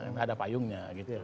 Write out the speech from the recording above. nggak ada payungnya gitu